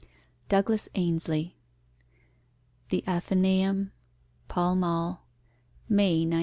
DOUGLAS AINSLIE. THE ATHENAEUM, PALL MALL, May 1909.